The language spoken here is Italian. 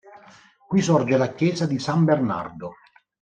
Qui sorge la chiesa di San Bernardo.